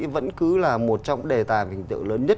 vẫn cứ là một trong đề tài hình tượng lớn nhất